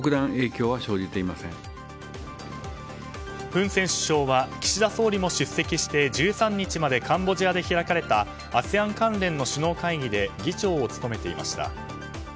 フン・セン首相は岸田総理も出席して１３日までカンボジアで開かれたＡＳＥＡＮ関連の首脳会議で議長を務めていました。